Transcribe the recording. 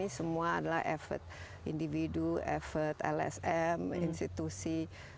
semua ini semua adalah effort individu effort lsm institusi